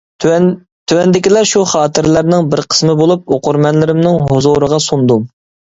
تۆۋەندىكىلەر شۇ خاتىرىلەرنىڭ بىر قىسمى بولۇپ، ئوقۇرمەنلىرىمنىڭ ھۇزۇرىغا سۇندۇم.